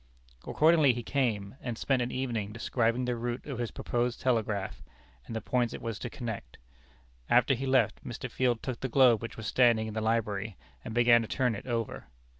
Accordingly he came, and spent an evening describing the route of his proposed telegraph, and the points it was to connect. After he left, Mr. Field took the globe which was standing in the library, and began to turn it over.